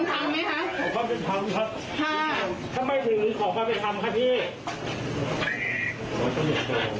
ถ้าไม่ถือขอคำเป็นคำค่ะพี่